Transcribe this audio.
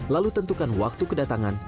lalu tentukan waktu kedatangan